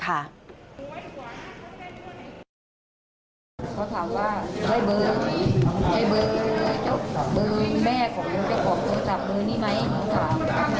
เขาถามว่าไอ้เบอร์ไอ้เบอร์เจ้าเบอร์แม่ของเจ้าของเจ้าจับเบอร์นี่ไหมเขาถาม